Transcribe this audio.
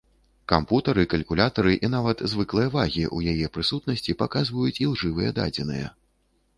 Кампутары, калькулятары і нават звыклыя вагі ў яе прысутнасці паказваюць ілжывыя дадзеныя.